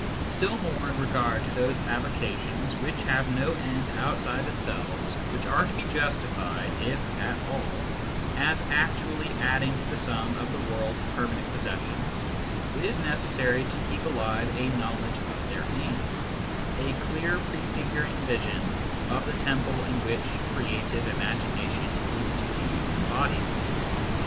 Still more in regard to those avocations which have no end outside themselves, which are to be justified, if at all, as actually adding to the sum of the world s permanent possessions, it is necessary to keep alive a knowledge of their aims, a clear prefiguring vision of the temple in which creative imagination is to be embodied.